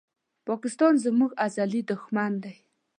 پاکستان زموږ ازلي دښمن دی